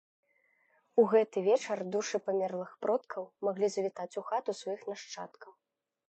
У гэты вечар душы памерлых продкаў маглі завітаць у хату сваіх нашчадкаў.